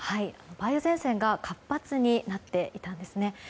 梅雨前線が活発になっていたんですね。